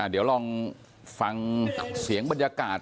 เดี๋ยวลองฟังเสียงบรรยากาศ